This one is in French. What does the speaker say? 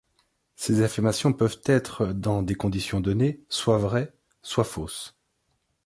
Ces affirmations peuvent être, dans des conditions données, soit vraies, soit fausses.